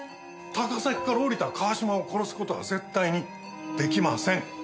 高崎から降りた川島を殺す事は絶対に出来ません。